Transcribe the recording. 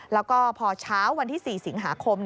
แล้วก็พอเช้าวันที่๔สิงหาคม